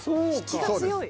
引きが強い。